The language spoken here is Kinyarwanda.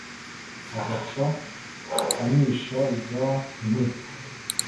agacaaniisha záa nkwí